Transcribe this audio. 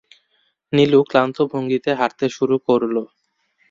নীলু ক্লান্ত ভঙ্গিতে হাঁটতে শুরু করল।